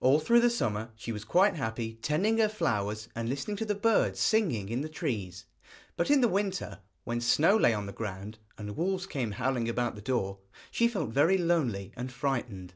All through the summer she was quite happy tending her flowers and listening to the birds singing in the trees, but in the winter, when snow lay on the ground and wolves came howling about the door, she felt very lonely and frightened.